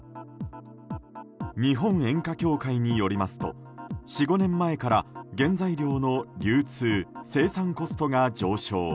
日本煙火協会によりますと４５年前から原材料の流通・生産コストが上昇。